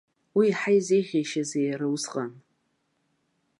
Уи иаҳа изеиӷьаишьазеи иара усҟан?